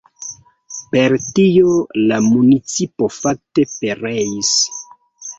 Per tio la municipo fakte pereis.